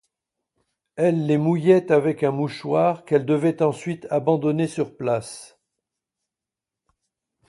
Elles les mouillaient avec un mouchoir qu'elles devaient ensuite abandonner sur place.